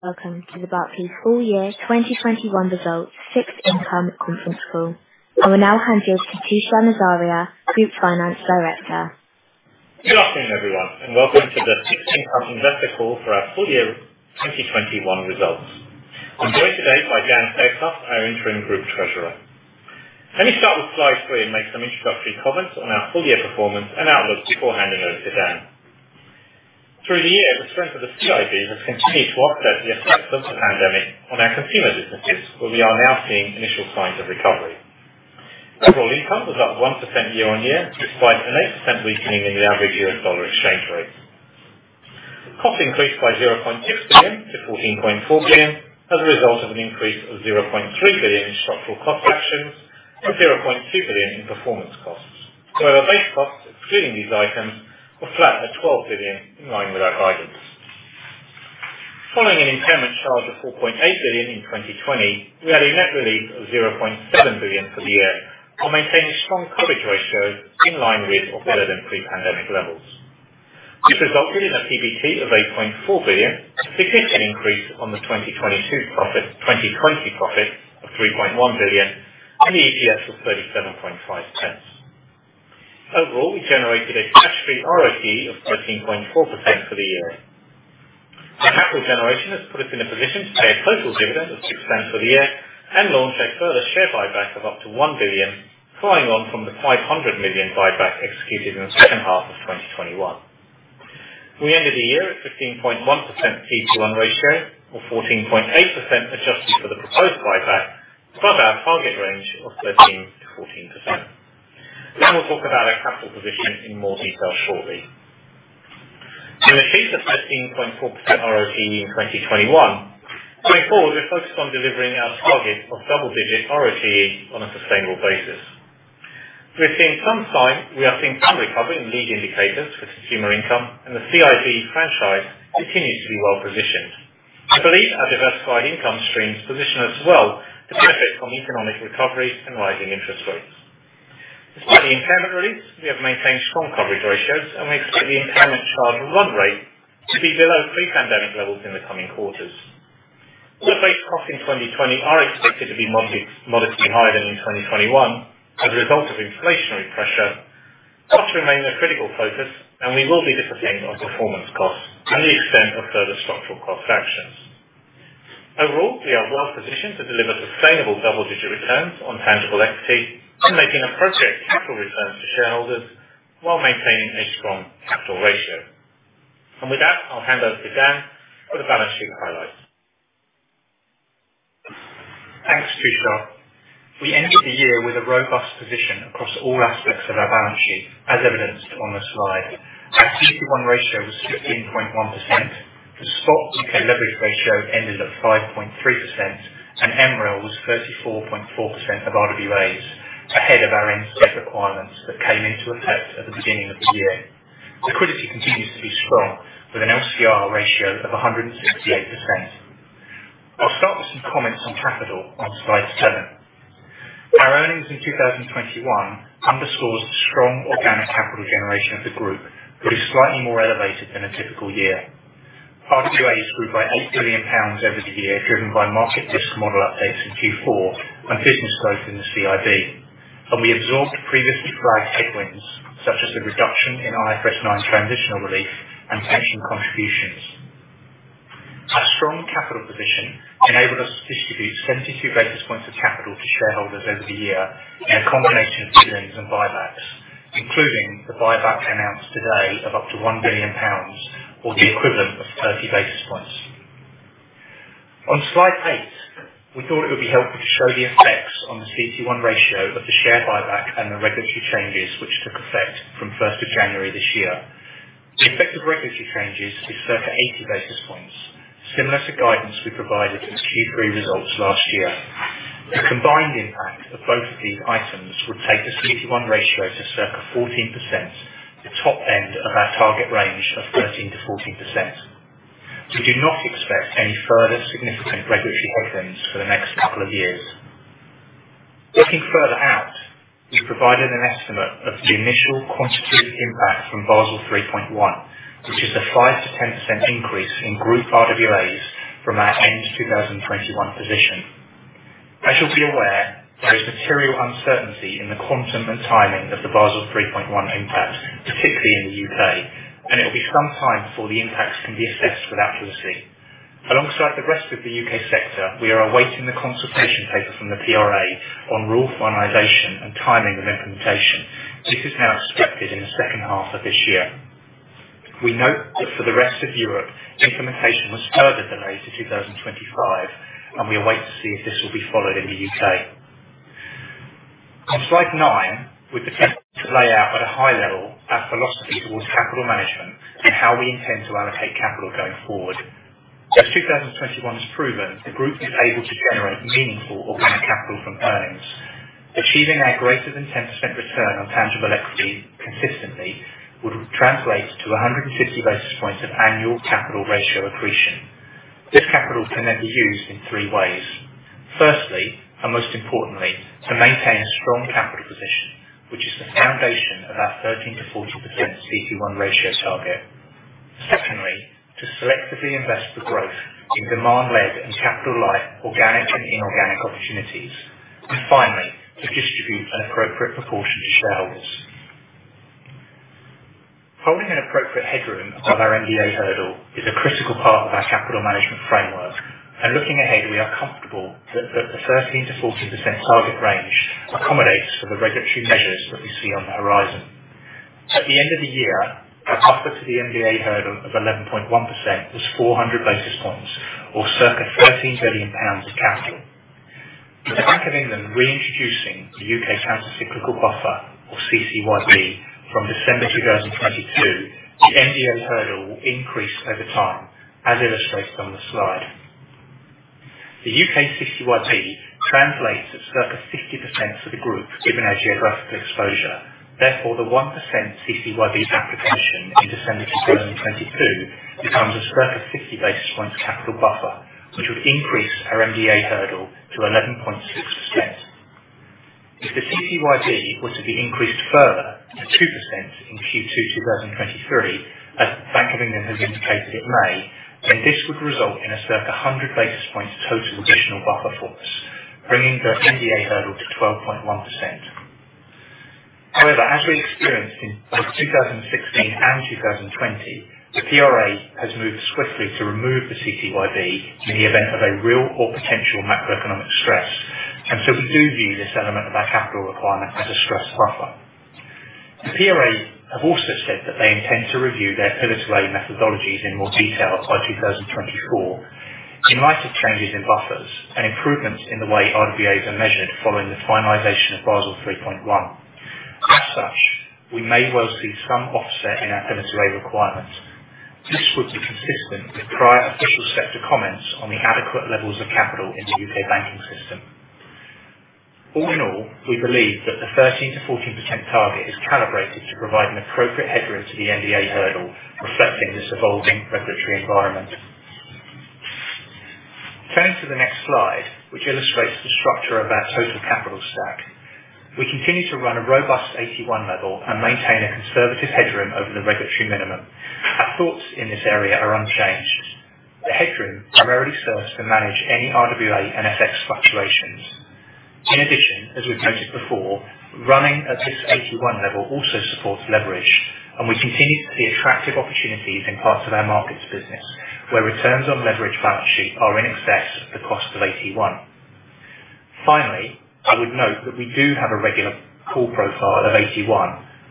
Welcome to the Barclays Full Year 2021 Results Sixth Interim Conference Call. I will now hand you over to Tushar Morzaria, Group Finance Director. Good afternoon, everyone, and welcome to the Sixth Interim Investor Call for our Full Year 2021 Results. I'm joined today by Dan Fairclough, our Interim Group Treasurer. Let me start with slide 3 and make some introductory comments on our full year performance and outlook before handing over to Dan. Through the year, the strength of the CIB has continued to offset the effects of the pandemic on our consumer businesses, where we are now seeing initial signs of recovery. Overall income was up 1% year-on-year, despite an 8% weakening in the average year-end dollar exchange rate. Costs increased by 0.6 billion to 14.4 billion as a result of an increase of 0.3 billion in structural cost actions and 0.2 billion in performance costs. Our base costs, excluding these items, were flat at 12 billion in line with our guidance. Following an impairment charge of 4.8 billion in 2020, we had a net release of 0.7 billion for the year while maintaining strong coverage ratios in line with or better than pre-pandemic levels. This resulted in a PBT of 8.4 billion, a significant increase on the 2020 profit of 3.1 billion and the EPS of 37.5 pence. Overall, we generated a cash-free ROE of 13.4% for the year. The capital generation has put us in a position to pay a total dividend of six pence for the year and launch a further share buyback of up to 1 billion, following on from the 500 million buyback executed in the H2 of 2021. We ended the year at 15.1% CET1 ratio or 14.8% adjusted for the proposed buyback, above our target range of 13%-14%. Dan will talk about our capital position in more detail shortly. We have achieved a 13.4% ROE in 2021. Going forward, we're focused on delivering our target of double-digit ROE on a sustainable basis. We are seeing some recovery in lead indicators for consumer income and the CIB franchise continues to be well-positioned. I believe our diversified income streams position us well to benefit from economic recovery and rising interest rates. Despite the impairment release, we have maintained strong coverage ratios, and we expect the impairment charge run rate to be below pre-pandemic levels in the coming quarters. All our base costs in 2020 are expected to be modestly higher than in 2021 as a result of inflationary pressure. Costs remain a critical focus, and we will be disciplining our performance costs and the extent of further structural cost actions. Overall, we are well positioned to deliver sustainable double-digit returns on tangible equity and making appropriate capital returns to shareholders while maintaining a strong capital ratio. With that, I'll hand over to Dan for the balance sheet highlights. Thanks, Tushar. We ended the year with a robust position across all aspects of our balance sheet, as evidenced on the slide. Our CET1 ratio was 15.1%. The statutory UK leverage ratio ended at 5.3%, and MREL was 34.4% of RWAs, ahead of our end-state requirements that came into effect at the beginning of the year. Liquidity continues to be strong with an LCR ratio of 168%. I'll start with some comments on capital on slide seven. Our earnings in 2021 underscores the strong organic capital generation of the group that is slightly more elevated than a typical year. RWAs grew by 8 billion pounds over the year, driven by market risk model updates in Q4 and business growth in the CIB. We absorbed previously flagged headwinds, such as the reduction in IFRS9 transitional relief and pension contributions. Our strong capital position enabled us to distribute 72 basis points of capital to shareholders over the year in a combination of dividends and buybacks, including the buyback announced today of up to 1 billion pounds or the equivalent of 30 basis points. On slide eight, we thought it would be helpful to show the effects on the CET1 ratio of the share buyback and the regulatory changes, which took effect from January 1 this year. The effect of regulatory changes is circa 80 basis points, similar to guidance we provided in Q3 results last year. The combined impact of both of these items would take the CET1 ratio to circa 14%, the top end of our target range of 13%-14%. We do not expect any further significant regulatory headwinds for the next couple of years. Looking further out, we provided an estimate of the initial quantitative impact from Basel 3.1, which is a 5%-10% increase in group RWAs from our end 2021 position. As you'll be aware, there is material uncertainty in the quantum and timing of the Basel 3.1 impact, particularly in the U.K., and it will be some time before the impacts can be assessed with accuracy. Alongside the rest of the U.K. sector, we are awaiting the consultation paper from the PRA on rule finalization and timing of implementation, which is now expected in the H2 of this year. We note that for the rest of Europe, implementation was further delayed to 2025, and we await to see if this will be followed in the U.K. On slide nine, we've attempted to lay out at a high level our philosophy towards capital management and how we intend to allocate capital going forward. As 2021 has proven, the group is able to generate meaningful organic capital from earnings. Achieving our greater than 10% return on tangible equity consistently would translate to 150 basis points of annual capital ratio accretion. This capital can then be used in three ways. Firstly, and most importantly, to maintain a strong capital position, which is the foundation of our 13%-14% CET1 ratio target. Secondly, to selectively invest for growth in demand-led and capital light organic and inorganic opportunities. Finally, to distribute an appropriate proportion to shareholders. Holding an appropriate headroom above our MDA hurdle is a critical part of our capital management framework. Looking ahead, we are comfortable that the 13%-14% target range accommodates for the regulatory measures that we see on the horizon. At the end of the year, our buffer to the MDA hurdle of 11.1% was 400 basis points or circa GBP 13 billion of capital. With the Bank of England reintroducing the UK countercyclical buffer, or CCYB, from December 2022, the MDA hurdle will increase over time, as illustrated on the slide. The UK CCYB translates to circa 50% for the group given our geographical exposure. Therefore, the 1% CCYB application in December 2022 becomes a circa 50 basis points capital buffer, which would increase our MDA hurdle to 11.6%. If the CCYB was to be increased further to 2% in Q2 2023, as the Bank of England has indicated it may, then this would result in a circa 100 basis points total additional buffer for us, bringing the MDA hurdle to 12.1%. However, as we experienced in both 2016 and 2020, the PRA has moved swiftly to remove the CCYB in the event of a real or potential macroeconomic stress. We do view this element of our capital requirement as a stress buffer. The PRA have also said that they intend to review their Pillar 2A methodologies in more detail by 2024, in light of changes in buffers and improvements in the way RWAs are measured following the finalization of Basel 3.1. As such, we may well see some offset in our Pillar 2A requirements. This would be consistent with prior official sector comments on the adequate levels of capital in the U.K. banking system. All in all, we believe that the 13%-14% target is calibrated to provide an appropriate headroom to the MDA hurdle, reflecting this evolving regulatory environment. Turning to the next slide, which illustrates the structure of our total capital stack. We continue to run a robust AT1 level and maintain a conservative headroom over the regulatory minimum. Our thoughts in this area are unchanged. The headroom primarily serves to manage any RWA and FX fluctuations. In addition, as we've noted before, running at this AT1 level also supports leverage, and we continue to see attractive opportunities in parts of our markets business, where returns on leverage balance sheet are in excess of the cost of AT1. Finally, I would note that we do have a regular core profile of AT1.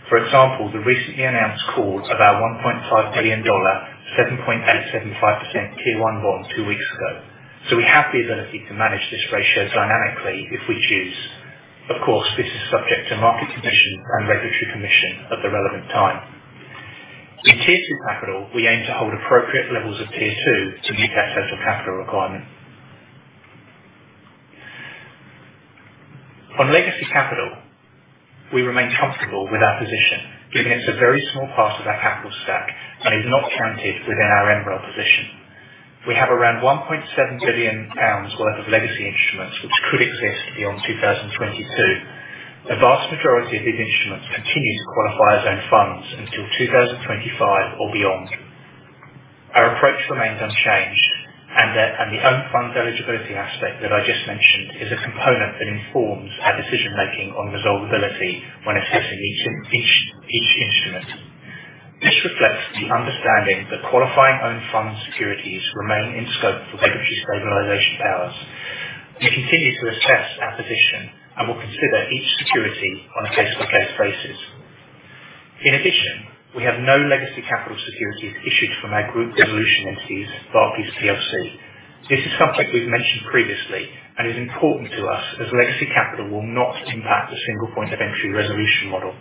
For example, the recently announced call of our $1.5 billion, 7.875% Tier 1 bond two weeks ago. So we have the ability to manage this ratio dynamically if we choose. Of course, this is subject to market conditions and regulatory permission at the relevant time. In Tier 2 capital, we aim to hold appropriate levels of Tier 2 to meet our total capital requirement. On legacy capital, we remain comfortable with our position, giving it a very small part of our capital stack and is not counted within our MREL position. We have around 1.7 billion pounds worth of legacy instruments which could exist beyond 2022. The vast majority of these instruments continue to qualify as own funds until 2025 or beyond. Our approach remains unchanged, and the own funds eligibility aspect that I just mentioned is a component that informs our decision making on resolvability when assessing each instrument. This reflects the understanding that qualifying own fund securities remain in scope for regulatory stabilization powers. We continue to assess our position and will consider each security on a case-by-case basis. In addition, we have no legacy capital securities issued from our group resolution entities, Barclays PLC. This is something we've mentioned previously and is important to us as legacy capital will not impact the single point of entry resolution model.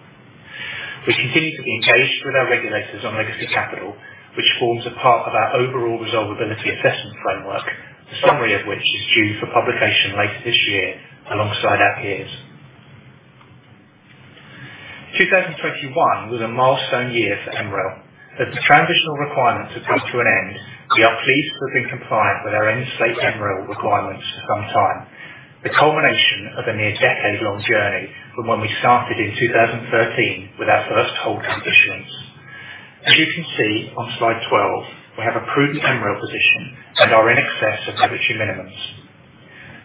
We continue to be engaged with our regulators on legacy capital, which forms a part of our overall Resolvability Assessment Framework, a summary of which is due for publication later this year alongside our peers. 2021 was a milestone year for MREL. As the transitional requirements have come to an end, we are pleased to have been compliant with our end state MREL requirements for some time, the culmination of a near decade-long journey from when we started in 2013 with our first CoCo issuance. As you can see on slide 12, we have a proven MREL position and are in excess of regulatory minimums.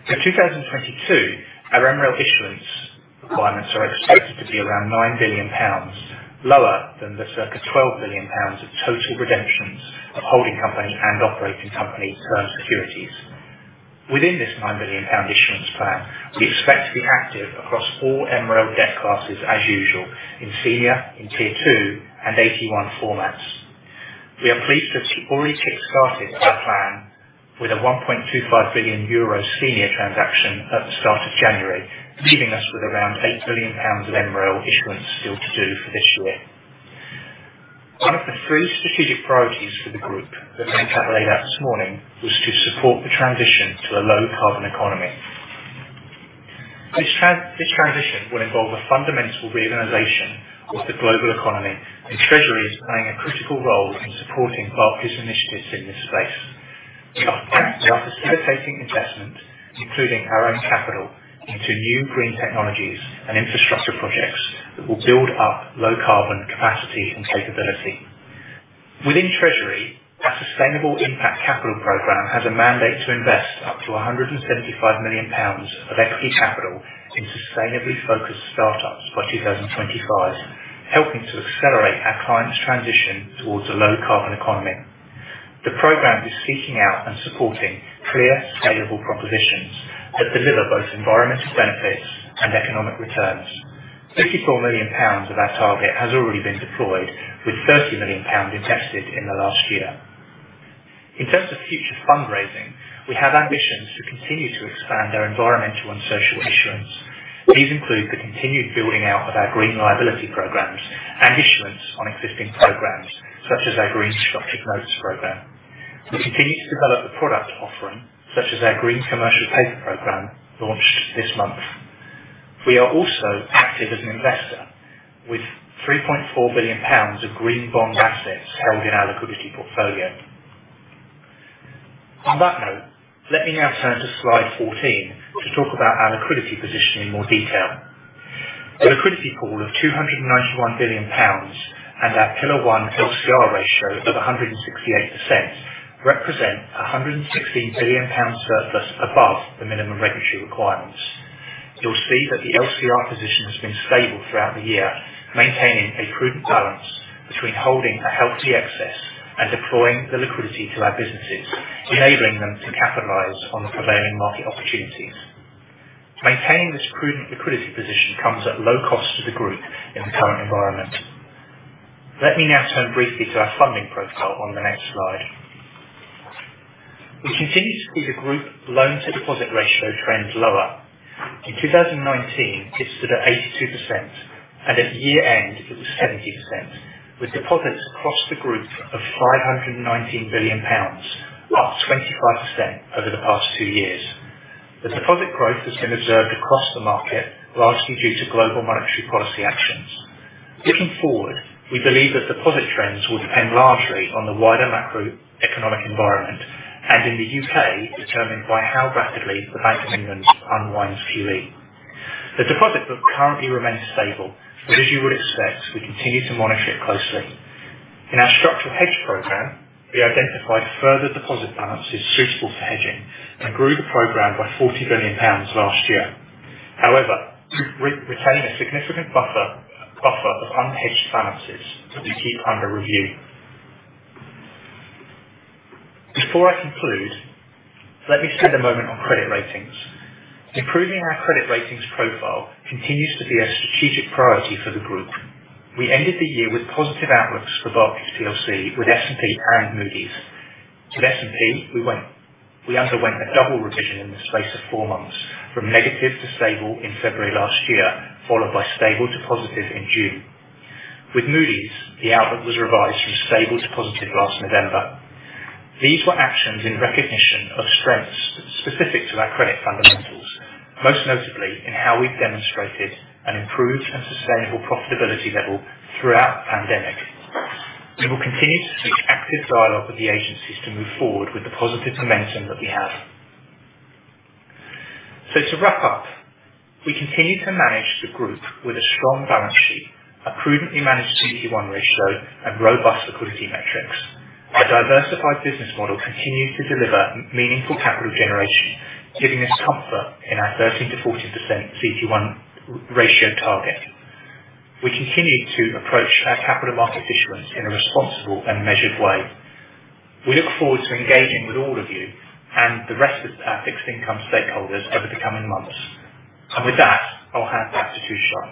For 2022, our MREL issuance requirements are expected to be around 9 billion pounds, lower than the circa 12 billion pounds of total redemptions of holding company and operating company term securities. Within this 9 billion pound issuance plan, we expect to be active across all MREL debt classes as usual, in senior, in Tier 2, and AT1 formats. We are pleased to have already kick-started our plan with a 1.25 billion euro senior transaction at the start of January, leaving us with around 8 billion pounds of MREL issuance still to do for this year. One of the three strategic priorities for the group that Ben laid out this morning was to support the transition to a low carbon economy. This transition will involve a fundamental reorganization of the global economy, and Treasury is playing a critical role in supporting Barclays initiatives in this space. We are facilitating investment, including our own capital, into new green technologies and infrastructure projects that will build up low carbon capacity and capability. Within Treasury, our Sustainable Impact Capital program has a mandate to invest up to 175 million pounds of equity capital in sustainably focused startups by 2025, helping to accelerate our clients' transition towards a low carbon economy. The program is seeking out and supporting clear, scalable propositions that deliver both environmental benefits and economic returns. 54 million pounds of our target has already been deployed with 30 million pounds invested in the last year. In terms of future fundraising, we have ambitions to continue to expand our environmental and social issuance. These include the continued building out of our green liability programs and issuance on existing programs such as our Green Structured Notes program. We continue to develop a product offering such as our Green Commercial Paper program launched this month. We are also active as an investor with 3.4 billion pounds of green bond assets held in our liquidity portfolio. On that note, let me now turn to slide 14 to talk about our liquidity position in more detail. The liquidity pool of 291 billion pounds and our Pillar 1 LCR ratio of 168% represent a 160 billion pounds surplus above the minimum regulatory requirements. You'll see that the LCR position has been stable throughout the year, maintaining a prudent balance between holding a healthy excess and deploying the liquidity to our businesses, enabling them to capitalize on the prevailing market opportunities. Maintaining this prudent liquidity position comes at low cost to the group in the current environment. Let me now turn briefly to our funding profile on the next slide. We continue to see the group loan to deposit ratio trends lower. In 2019 it stood at 82%, and at year-end it was 70%, with deposits across the group of 519 billion pounds, up 25% over the past two years. The deposit growth has been observed across the market, largely due to global monetary policy actions. Looking forward, we believe that deposit trends will depend largely on the wider macroeconomic environment and in the UK, determined by how rapidly the Bank of England unwinds QE. The deposit book currently remains stable, but as you would expect, we continue to monitor it closely. In our structured hedge program, we identified further deposit balances suitable for hedging and grew the program by 40 billion pounds last year. However, retaining a significant buffer of unhedged balances that we keep under review. Before I conclude, let me spend a moment on credit ratings. Improving our credit ratings profile continues to be a strategic priority for the group. We ended the year with positive outlooks for Barclays PLC with S&P and Moody's. To S&P, we went. We underwent a double revision in the space of four months from negative to stable in February last year, followed by stable to positive in June. With Moody's, the outlook was revised from stable to positive last November. These were actions in recognition of strengths specific to our credit fundamentals, most notably in how we've demonstrated an improved and sustainable profitability level throughout the pandemic. We will continue to seek active dialogue with the agencies to move forward with the positive momentum that we have. To wrap up, we continue to manage the group with a strong balance sheet, a prudently managed CET1 ratio and robust liquidity metrics. Our diversified business model continues to deliver meaningful capital generation, giving us comfort in our 13%-14% CET1 ratio target. We continue to approach our capital market issuance in a responsible and measured way. We look forward to engaging with all of you and the rest of our fixed income stakeholders over the coming months. With that, I'll hand back to Tushar.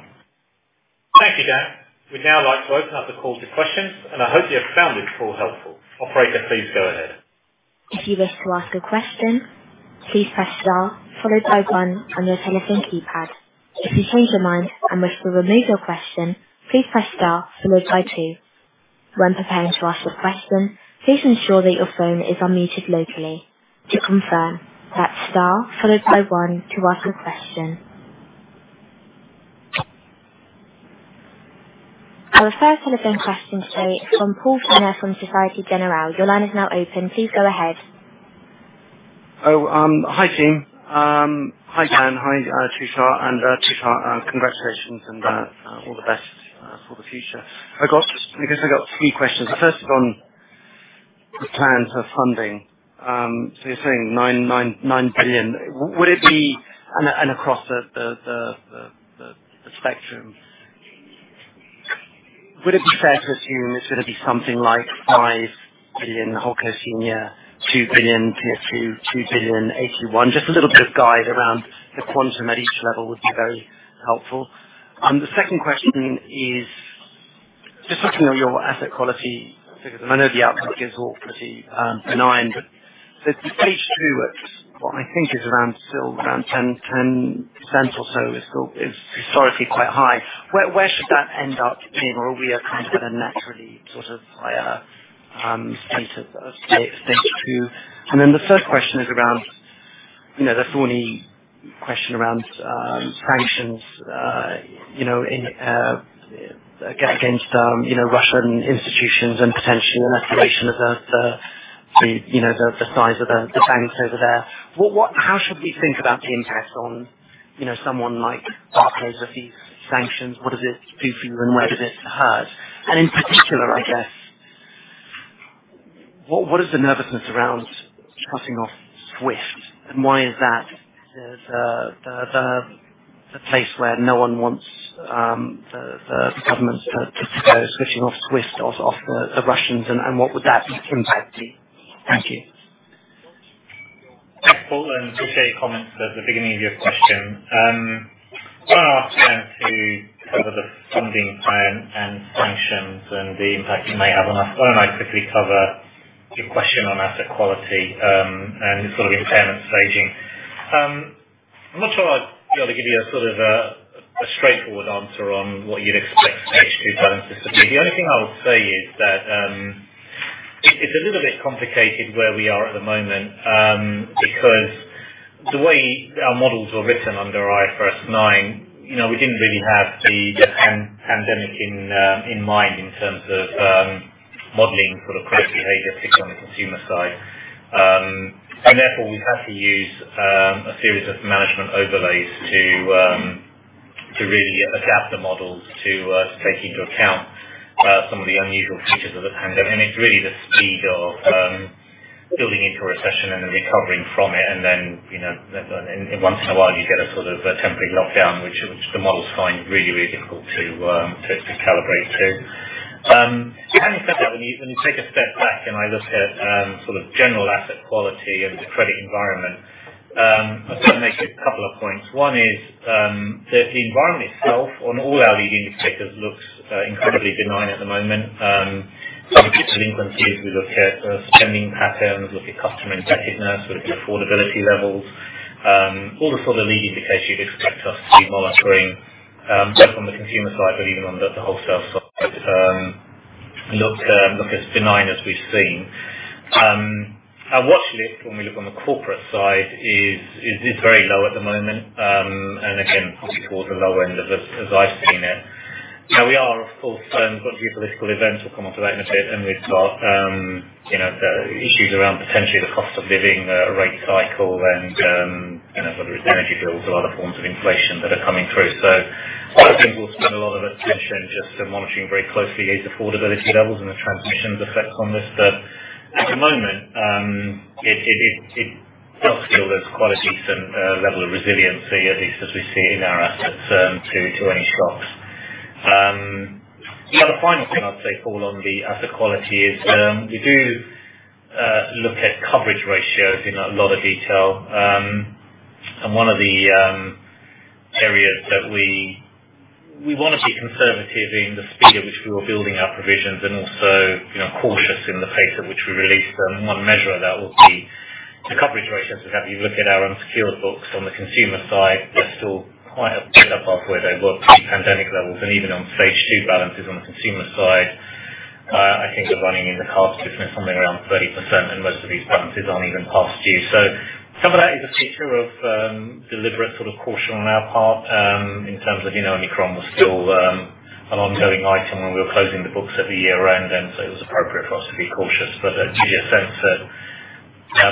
Thank you, Dan. We'd now like to open up the call to questions, and I hope you have found this call helpful. Operator, please go ahead. If you wish to ask for question, please press star followed by one on your telephone keypad. If you change your mind and wish to remove your question, please press star followed by two. If you want to ask the questions, please ensure that your phone is unmuted locally. To confirm press star followed by one to ask the question. Our first telephone question today from Paul Turner from Société Générale. Your line is now open. Please go ahead. Oh, hi team. Hi Dan Stace-Jones, hi Tushar Morzaria. Tushar Morzaria, congratulations and all the best for the future. I guess I got three questions. The first is on the plans for funding. So you're saying 9 billion. Would it be fair to assume across the spectrum this is gonna be something like 5 billion whole-co senior, 2 billion Tier 2, 2 billion AT1? Just a little bit of guide around the quantum at each level would be very helpful. The second question is just looking at your asset quality figures. I know the outlook gives all pretty benign, but the stage 2 at what I think is around, still around 10% or so is still historically quite high. Where should that end up being or are we kind of at a naturally sort of higher? Thanks to stage two. The third question is around, you know, the thorny question around sanctions, you know, in against, you know, Russian institutions and potentially an escalation of the size of the banks over there. How should we think about the impact on, you know, someone like Barclays with these sanctions? What does this do for you, and where does this hurt? In particular, I guess, what is the nervousness around cutting off SWIFT, and why is that the place where no one wants the government switching off SWIFT off the Russians, and what would that impact be? Thank you. Thanks, Paul, and I appreciate your comments at the beginning of your question. I'm gonna ask Dan to cover the funding plan and sanctions and the impact it may have on us. Why don't I quickly cover your question on asset quality, and sort of impairment staging? I'm not sure I'll be able to give you a sort of a straightforward answer on what you'd expect stage two balances to be. The only thing I would say is that, it's a little bit complicated where we are at the moment, because the way our models were written under IFRS nine, you know, we didn't really have the pandemic in mind in terms of modeling sort of credit behavior, particularly on the consumer side. Therefore, we've had to use a series of management overlays to really adapt the models to take into account some of the unusual features of the pandemic. It's really the speed of building into a recession and then recovering from it. Then, you know, once in a while, you get sort of a temporary lockdown, which the models find really difficult to calibrate to. Having said that, when you take a step back and I look at sort of general asset quality and the credit environment, I'd make a couple of points. One is that the environment itself on all our leading indicators looks incredibly benign at the moment. Some delinquencies, we look at spending patterns, we look at customer indebtedness with affordability levels, all the sort of leading indicators you'd expect us to be monitoring, both from the consumer side, but even on the wholesale side, look as benign as we've seen. Our watch list when we look on the corporate side is very low at the moment, and again, probably towards the lower end of as I've seen it. Now, we've of course got a few political events. We'll come onto that in a bit. We've got, you know, the issues around potentially the cost of living, the rate cycle and, you know, whether it's energy bills or other forms of inflation that are coming through. I think we'll pay a lot of attention just to monitoring very closely these affordability levels and the transmission's effects on this. At the moment, it does feel there's quite a decent level of resiliency, at least as we see in our assets, to any shocks. The final thing I'd say, Paul, on the asset quality is, we do look at coverage ratios in a lot of detail. One of the areas that we wanna be conservative in the speed at which we were building our provisions and also, you know, cautious in the pace at which we released them. One measure of that would be the coverage ratios we have. You look at our unsecured books on the consumer side, they're still quite a bit above where they were pre-pandemic levels. Even on stage two balances on the consumer side, I think we're running in the cost between something around 30%, and most of these balances aren't even past due. So some of that is a feature of deliberate, sort of, caution on our part, in terms of, you know, Omicron was still an ongoing item when we were closing the books at the year end. It was appropriate for us to be cautious. You get a sense that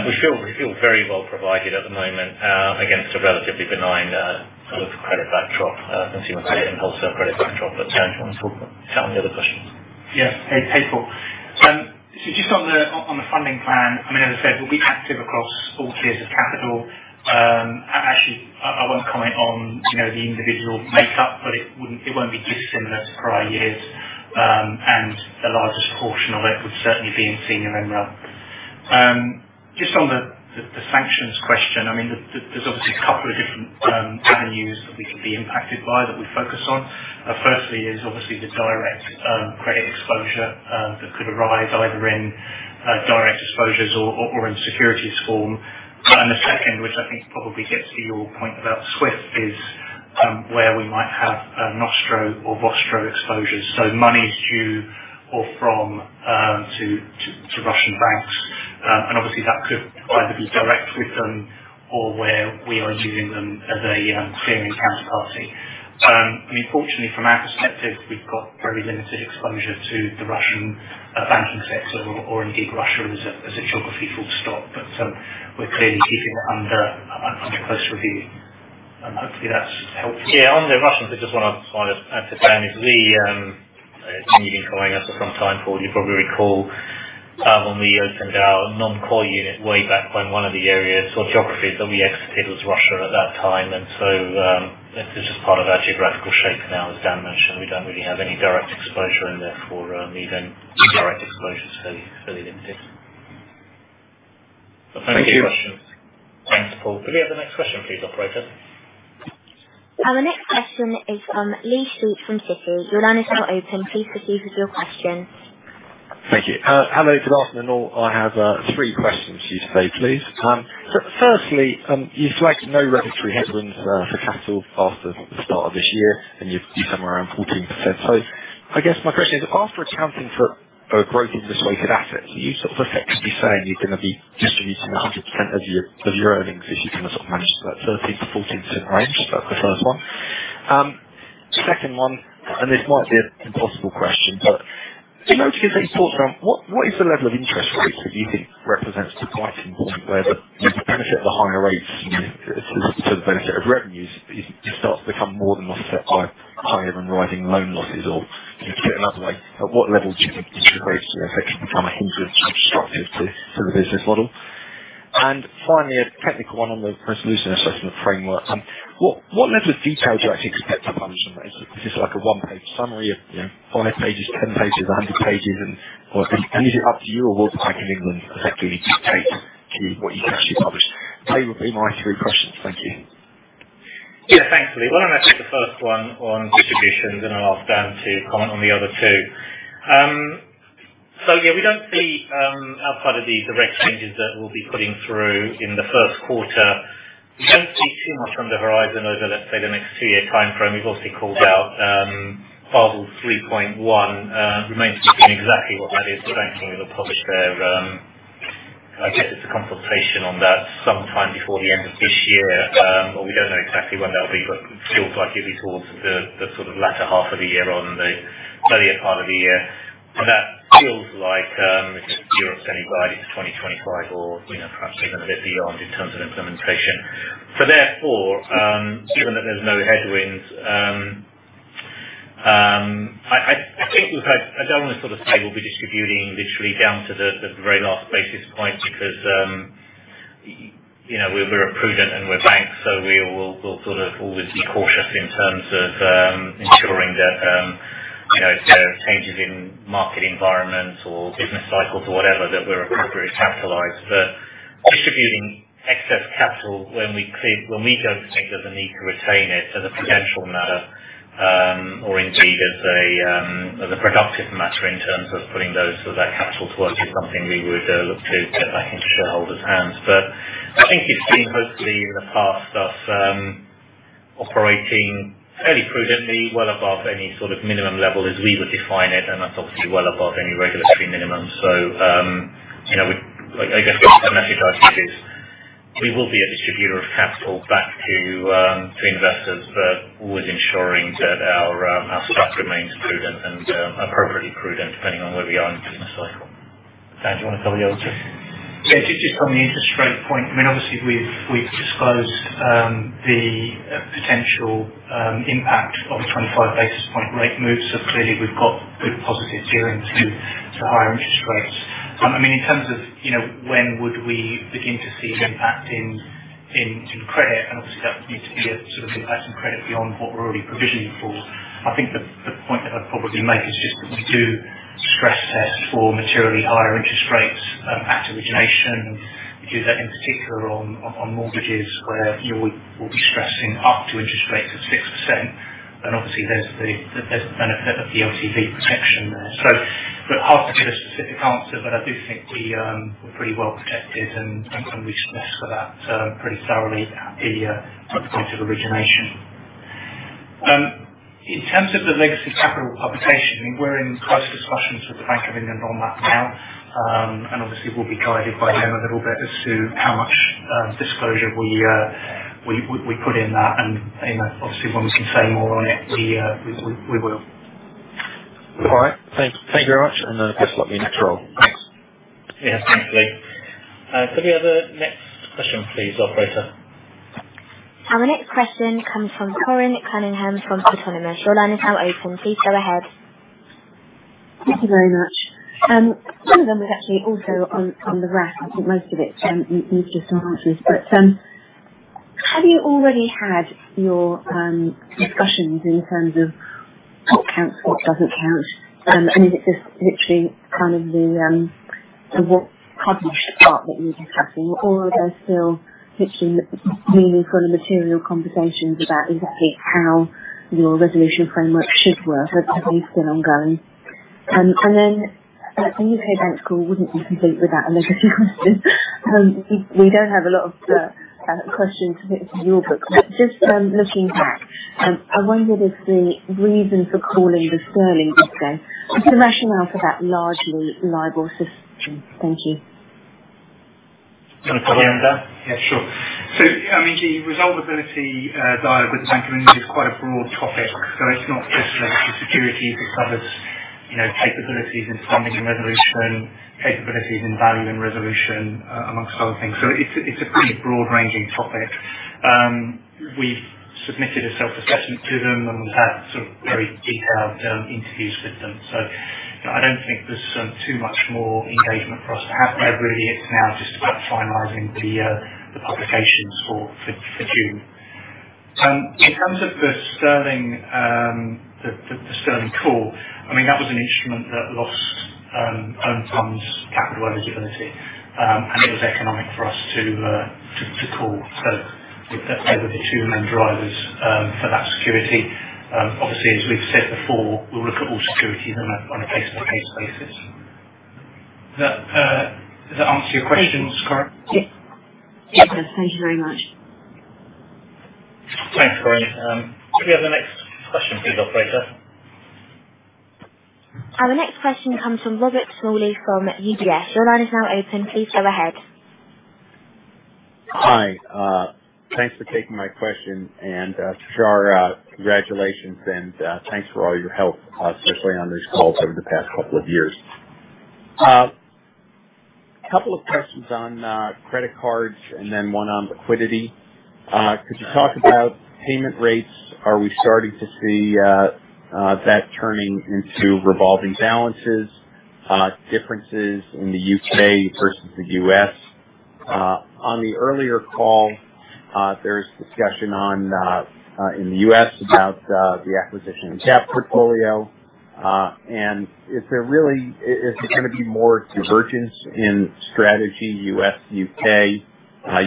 we feel very well provided at the moment, against a relatively benign, sort of credit backdrop, consumer credit and wholesale credit backdrop. Dan, do you want to talk about some of the other questions? Yeah. Hey, Paul. So just on the funding plan, I mean, as I said, we'll be active across all tiers of capital. Actually, I won't comment on, you know, the individual makeup, but it won't be dissimilar to prior years. The largest portion of it would certainly be in senior unsecured. Just on the sanctions question, I mean, there's obviously a couple of different avenues that we could be impacted by that we focus on. Firstly is obviously the direct credit exposure that could arise either in direct exposures or in securities form. The second, which I think probably gets to your point about SWIFT, is where we might have Nostro or Vostro exposures, so monies due or from to Russian banks. Obviously, that could either be direct with them or where we are using them as a clearing counterparty. I mean, fortunately, from our perspective, we've got very limited exposure to the Russian banking sector or indeed Russia as a geography full stop. We're clearly keeping it under close review. Hopefully that's helpful. Yeah, on the Russian business, I just wanna kind of add to what Dan said. We, if you've been covering us for some time, Paul, you probably recall when we opened our non-core unit way back when, one of the areas or geographies that we exited was Russia at that time. This is just part of our geographical shape now. As Dan mentioned, we don't really have any direct exposure and therefore, even direct exposure is fairly limited. Thank you. Thanks, Paul. Could we have the next question please, operator? Our next question is from Lee Street from Citi. Your line is now open. Please proceed with your question. Thank you. Hello. Good afternoon, all. I have three questions for you today, please. Firstly, you flagged no regulatory headwinds for capital after the start of this year, and you're somewhere around 14%. I guess my question is, after accounting for growth in risk-weighted assets, are you sort of effectively saying you're gonna be distributing 100% of your earnings as you kind of manage to that 13%-14% range? That's the first one. Second one, and this might be an impossible question, but in those years that you talked about, what is the level of interest rates that you think is quite important, where the benefit of the higher rates to those set of revenues starts to become more than offset by higher and rising loan losses? Or to put it another way, at what level do you think interest rates would effectively become a hindrance constructive to the business model? Finally, a technical one on the Resolvability Assessment Framework. What level of detail do you actually expect to publish on those? Is this like a one-page summary of, you know, five pages, 10 pages, 100 pages? Or is it up to you or will the Bank of England effectively dictate to you what you can actually publish? They would be my three questions. Thank you. Yeah, thanks, Lee. Why don't I take the first one on distributions, and I'll ask Dan to comment on the other two. Yeah, we don't see, outside of the direct changes that we'll be putting through in the Q1, we don't see too much on the horizon over, let's say, the next two-year timeframe. You've also called out, Basel 3.1 remains to be seen exactly what that is. I think they will publish the, I guess it's a consultation on that sometime before the end of this year. We don't know exactly when that will be, it feels like it'll be towards the sort of latter half of the year or the earlier part of the year. That feels like, if Europe's anybody, it's 2025 or, you know, perhaps even a bit beyond in terms of implementation. Therefore, given that there's no headwinds, I think, look, I don't want to sort of say we'll be distributing literally down to the very last basis point because, you know, we're prudent and we're banks, so we will sort of always be cautious in terms of ensuring that, you know, if there are changes in market environments or business cycles or whatever, that we're appropriately capitalized. Distributing excess capital when we clear. When we don't think there's a need to retain it as a potential matter, or indeed as a productive matter in terms of putting that capital to work is something we would look to get back into shareholders' hands. I think you've seen hopefully in the past us operating fairly prudently, well above any sort of minimum level as we would define it, and that's obviously well above any regulatory minimum. You know, I guess the message I'd give is we will be a distributor of capital back to investors, but always ensuring that our stock remains prudent and appropriately prudent depending on where we are in the business cycle. Dan, do you want to cover the other two? Yeah. Just on the interest rate point. I mean, obviously we've disclosed the potential impact of a 25 basis point rate move, so clearly we've got good positive gearing to higher interest rates. I mean, in terms of, you know, when would we begin to see impact in credit, and obviously that would need to be a sort of impact on credit beyond what we're already provisioning for. I think the point that I'd probably make is just that we do stress test for materially higher interest rates at origination. We do that in particular on mortgages where, you know, we'll be stressing up to interest rates of 6%. Obviously there's the benefit of the LTV protection there. Hard to give a specific answer, but I do think we're pretty well protected and we stress for that pretty thoroughly at the point of origination. In terms of the legacy capital publication, I mean, we're in close discussions with the Bank of England on that now. Obviously, we'll be guided by them a little bit as to how much disclosure we put in that. You know, obviously when we can say more on it, we will. All right. Thank you very much. Guess I'll be next roll. Thanks. Yes, thanks, Lee. Could we have the next question please, operator? Our next question comes from Corinne Cunningham from Autonomous. Your line is now open. Please go ahead. Thank you very much. Some of them was actually also on the RAF. I think most of it you've just answered. Have you already had your discussions in terms of what counts, what doesn't count? Is it just literally kind of what published part that you're discussing or are there still literally meaningful and material conversations about exactly how your resolution framework should work? Are these still ongoing? A U.K. bank call wouldn't be complete without a legacy question. We don't have a lot of questions for your book, but just looking back, I wondered if the reason for calling the Sterling disco, what's the rationale for that private label system? Thank you. You want to take that one, Dan? Yeah, sure. I mean, the resolvability dialogue with the Bank of England is quite a broad topic. It's not just related to securities. It covers, you know, capabilities in funding and resolution, capabilities in value and resolution, amongst other things. It's a pretty broad ranging topic. We've submitted a self-assessment to them, and we've had sort of very detailed interviews with them. I don't think there's too much more engagement for us to have. However, really, it's now just about finalizing the publications for June. In terms of the Sterling call, I mean, that was an instrument that lost own funds capital eligibility, and it was economic for us to call. They were the two main drivers for that security. Obviously, as we've said before, we'll look at all securities on a case-by-case basis. That, does that answer your questions, Corinne? Yes. It does. Thank you very much. Thanks, Corin. Can we have the next question please, operator? Our next question comes from Robert Smalley from MacKay Shields. Your line is now open. Please go ahead. Hi. Thanks for taking my question, and, Tushar, congratulations and, thanks for all your help, especially on these calls over the past couple of years. Couple of questions on credit cards and then one on liquidity. Could you talk about payment rates? Are we starting to see that turning into revolving balances, differences in the U.K. versus the U.S.? On the earlier call, there was discussion on in the U.S. about the acquisition of Gap portfolio. Is there really there gonna be more divergence in strategy U.S., U.K.?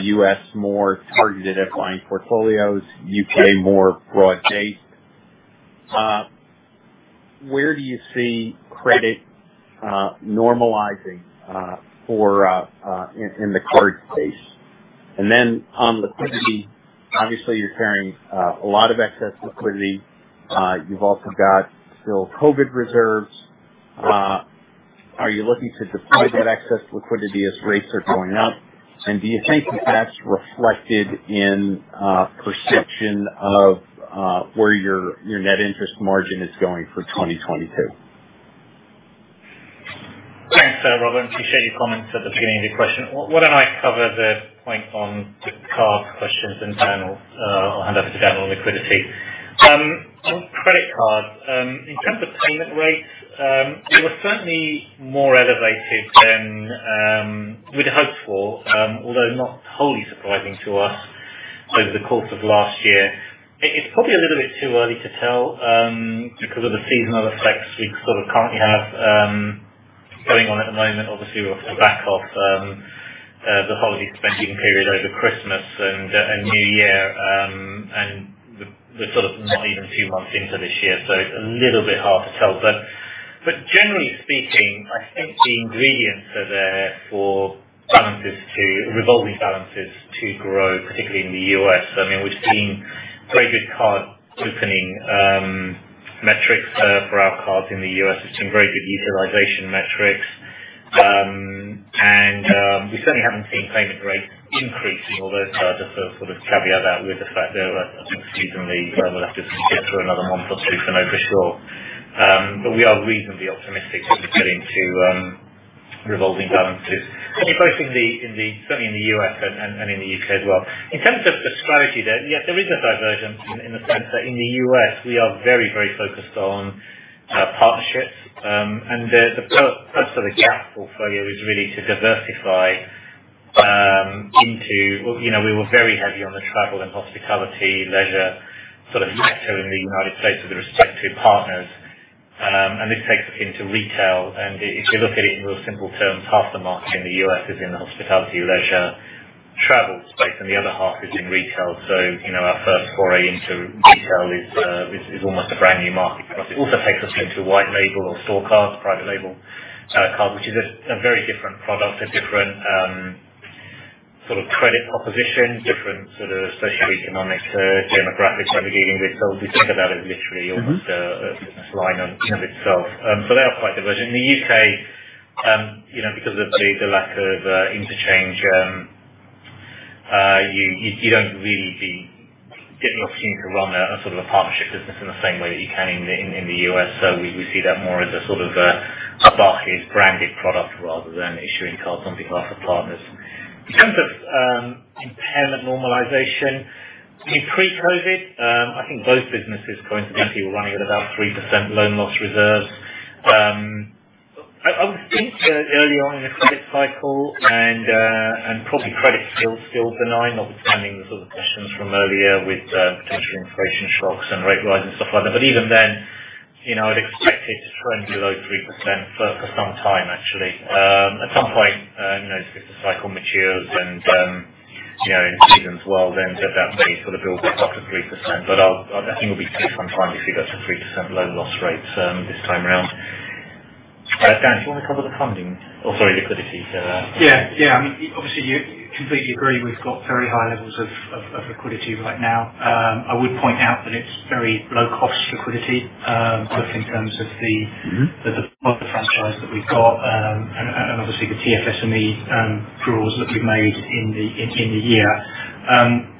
U.S. more targeted at buying portfolios, U.K. more broad-based. Where do you see credit normalizing in the card space? On liquidity, obviously you're carrying a lot of excess liquidity. You've also got still COVID reserves. Are you looking to deploy that excess liquidity as rates are going up? Do you think that's reflected in perception of where your net interest margin is going for 2022? Thanks, Robert, and appreciate your comments at the beginning of your question. Why don't I cover the point on the card questions and Daniel, I'll hand over to Daniel on liquidity. On credit cards, in terms of payment rates, we were certainly more elevated than we'd hoped for, although not wholly surprising to us over the course of last year. It's probably a little bit too early to tell, because of the seasonal effects we sort of currently have going on at the moment. Obviously, we're off the back of the holiday spending period over Christmas and New Year, and we're sort of not even two months into this year, so it's a little bit hard to tell. Generally speaking, I think the ingredients are there for balances to... Revolving balances to grow, particularly in the U.S. I mean, we've seen very good card-opening metrics for our cards in the U.S. We've seen very good utilization metrics. We certainly haven't seen payment rates increase in all those cards. That's a sort of caveat that with the fact they're unseasonably. We'll have to get through another month or two to know for sure. We are reasonably optimistic looking ahead into revolving balances. I think both certainly in the U.S. and in the U.K. as well. In terms of the strategy, though, yes, there is a divergence in the sense that in the U.S. we are very, very focused on partnerships. The purpose of the Gap portfolio is really to diversify into... You know, we were very heavy on the travel and hospitality, leisure sort of sector in the United States with the respective partners. This takes us into retail. If you look at it in real simple terms, half the market in the U.S. is in the hospitality, leisure, travel space, and the other half is in retail. You know, our first foray into retail is almost a brand-new market for us. It also takes us into white label or store cards, private label cards, which is a very different product, a different sort of credit proposition, different sort of socioeconomic demographics that we're getting. We think of that as literally almost a business line in itself. They are quite divergent. In the U.K., you know, because of the lack of interchange, you don't really get an opportunity to run a sort of partnership business in the same way that you can in the U.S. We see that more as a sort of Barclays branded product rather than issuing cards on behalf of partners. In terms of impairment normalization, in pre-COVID, I think both businesses coincidentally were running at about 3% loan loss reserves. I would think early on in the credit cycle and probably credit still benign, notwithstanding the sort of questions from earlier with potential inflation shocks and rate rise and stuff like that. Even then, you know, I'd expect it to trend below 3% for some time, actually. At some point, you know, as the cycle matures and, you know, in season as well, then that may sort of build back up to 3%. I think it'll be some time before you get to 3% loan loss rates, this time around. Dan, do you wanna cover the funding or, sorry, liquidity for, Yeah. Yeah. I mean, obviously, you completely agree we've got very high levels of liquidity right now. I would point out that it's very low-cost liquidity, both in terms of the franchise that we've got, and obviously the TFS and the draws that we've made in the year.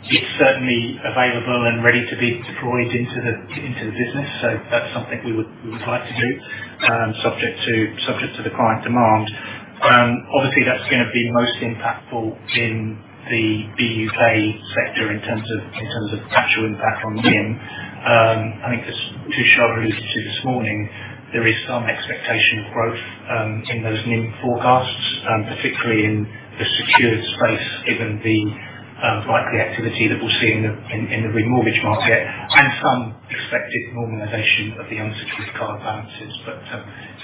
It's certainly available and ready to be deployed into the business. That's something we would like to do, subject to the client demand. Obviously, that's gonna be most impactful in the BUK sector in terms of actual impact on NIM. I think as Tushar alluded to this morning, there is some expectation of growth in those NIM forecasts, particularly in the secured space, given the likely activity that we'll see in the remortgage market and some expected normalization of the unsecured card balances.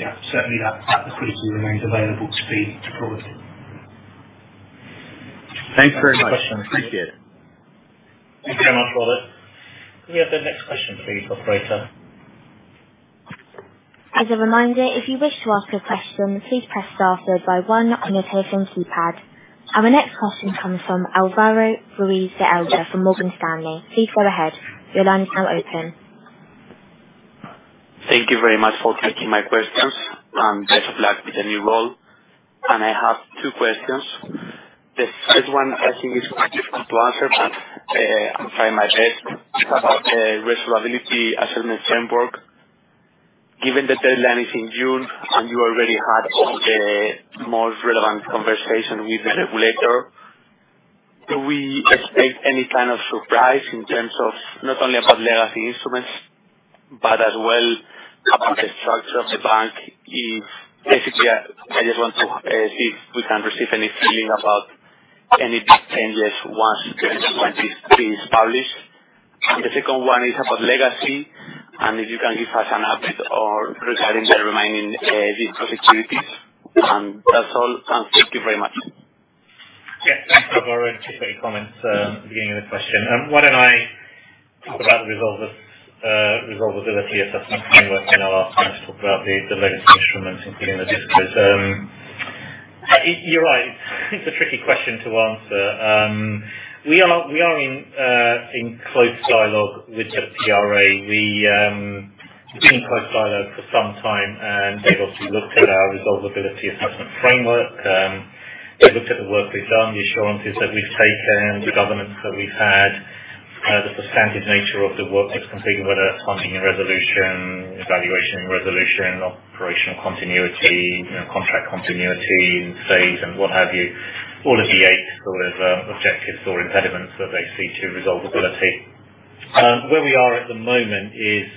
Yeah, certainly that liquidity remains available to be deployed. Thanks very much. Appreciate it. Thank you very much, Robert. Can we have the next question please, operator? As a reminder, if you wish to ask a question, please press star followed by one on your telephone keypad. Our next question comes from Alvaro Ruiz from Morgan Stanley. Please go ahead. Your line is now open. Thank you very much for taking my questions, and best of luck with the new role. I have two questions. The first one I think is quite difficult to answer, but I'll try my best. About the Resolvability Assessment Framework. Given the deadline is in June, and you already had all the most relevant conversation with the regulator, do we expect any kind of surprise in terms of not only about legacy instruments, but as well about the structure of the bank? Basically, I just want to see if we can receive any feeling about any big changes once this thing is published. The second one is about legacy, and if you can give us an update or regarding the remaining disco securities. That's all. Thank you very much. Thanks, Alvaro. Just a few comments at the beginning of the question. Why don't I talk about the resolvability assessment framework, and I'll ask Dan Stace-Jones to talk about the legacy instruments, including the discos. You're right. It's a tricky question to answer. We are in close dialogue with the PRA. We've been in close dialogue for some time, and they've obviously looked at our resolvability assessment framework. They looked at the work we've done, the assurances that we've taken, the governance that we've had, the substantive nature of the work that's completed, whether that's funding in resolution, evaluation in resolution, operational continuity, you know, contract continuity in place and what have you. All of the eight objectives or impediments that they see to resolvability. Where we are at the moment is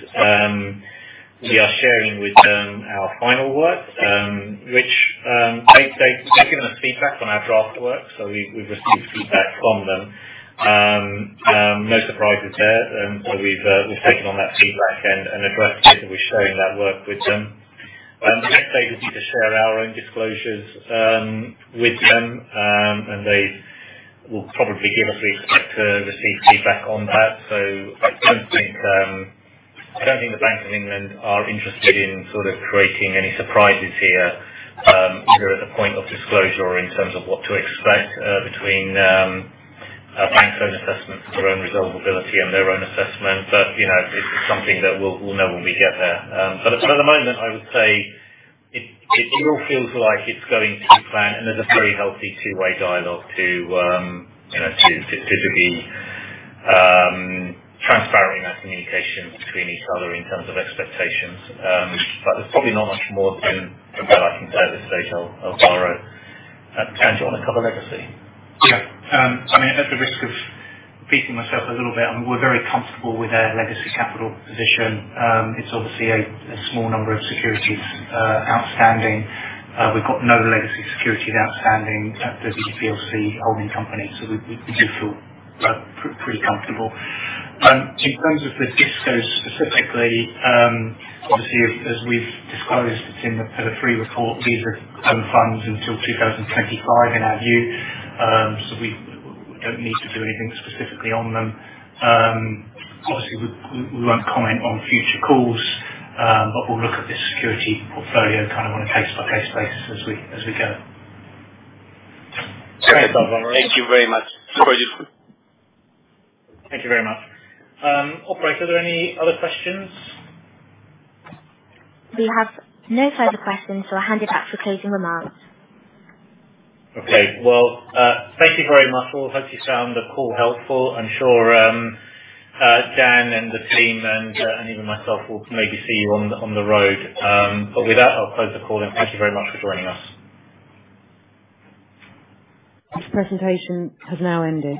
we are sharing with them our final work, which they've given us feedback on our draft work, so we've received feedback from them. No surprises there. We've taken on that feedback and addressed it, and we're sharing that work with them. The next stage will be to share our own disclosures with them, and they will probably give us feedback on that. We expect to receive feedback on that. I don't think the Bank of England are interested in sort of creating any surprises here, either at the point of disclosure or in terms of what to expect between our bank's own assessment of their own resolvability and their own assessment. You know, this is something that we'll know when we get there. At the moment I would say it all feels like it's going to plan, and there's a very healthy two-way dialogue, you know, to be transparent in our communication between each other in terms of expectations. There's probably not much more than that I can say at this stage, Alvaro. Dan, do you want to cover legacy? I mean, at the risk of repeating myself a little bit, I mean, we're very comfortable with our legacy capital position. It's obviously a small number of securities outstanding. We've got no legacy securities outstanding at the PLC holding company, so we do feel pretty comfortable. In terms of the discos specifically, obviously as we've disclosed in the Q3 report, these are own funds until 2025 in our view. So, we don't need to do anything specifically on them. Obviously, we won't comment on future calls, but we'll look at the security portfolio kind of on a case-by-case basis as we go. Okay. Thank you very much. Thank you very much. Operator, are there any other questions? We have no further questions, so I'll hand it back for closing remarks. Okay. Well, thank you very much. We all hope you found the call helpful. I'm sure, Dan and the team and even myself will maybe see you on the road. With that, I'll close the call and thank you very much for joining us. This presentation has now ended.